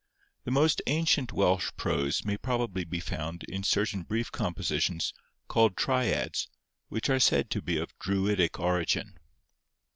The most ancient Welsh prose may probably be found in certain brief compositions, called Triads, which are said to be of Druidic origin.